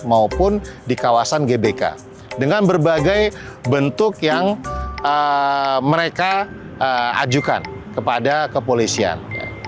maupun di kawasan gbk dengan berbagai bentuk yang mereka ajukan kepada kepolisian